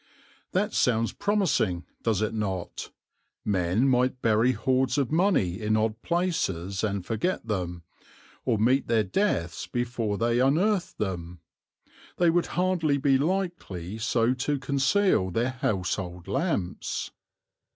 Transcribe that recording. That sounds promising, does it not? Men might bury hoards of money in odd places and forget them, or meet their deaths before they unearthed them. They would hardly be likely so to conceal their household lamps.